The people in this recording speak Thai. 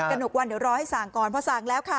หนกวันเดี๋ยวรอให้สั่งก่อนเพราะสั่งแล้วค่ะ